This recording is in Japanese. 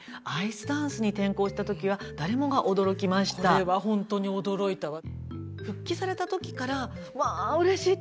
これはホントに驚いたわ。